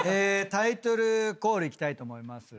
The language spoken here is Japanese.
タイトルコールいきたいと思います。